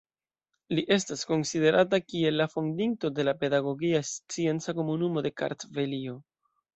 Li estas konsiderata kiel la fondinto de la Pedagogia Scienca Komunumo de Kartvelio.